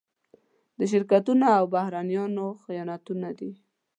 د شرکتونو او بهرنيانو خیانتونه دي.